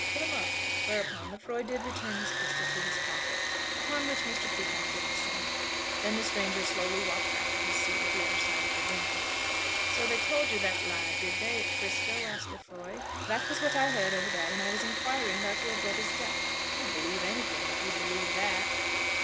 Put 'em up." Whereupon Lefroy did return his pistol to his pocket, upon which Mr. Peacocke did the same. Then the stranger slowly walked back to his seat at the other side of the room. "So they told you that lie; did they, at 'Frisco?" asked Lefroy. "That was what I heard over there when I was inquiring about your brother's death." "You'd believe anything if you'd believe that."